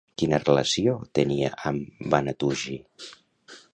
Quina relació tenia amb Vanatüji?